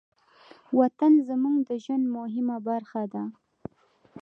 وطن زموږ د ژوند مهمه برخه ده.